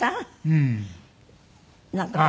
うん。